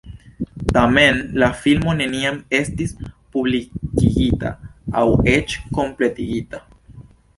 Tamen, la filmo neniam estis publikigita aŭ eĉ kompletigita.